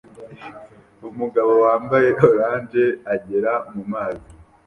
Umugabo wambaye orange agera mumazi